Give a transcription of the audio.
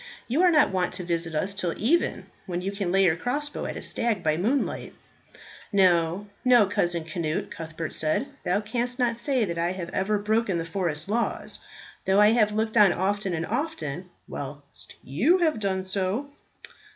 You are not wont to visit us till even, when you can lay your crossbow at a stag by moonlight." "No, no, Cousin Cnut," Cuthbert said, "thou canst not say that I have ever broken the forest laws, though I have looked on often and often, whilst you have done so."